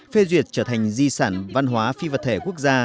phê duyệt trở thành di sản văn hóa phi vật thể quốc gia